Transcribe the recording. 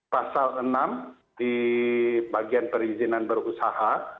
pasal enam di bagian perizinan berusaha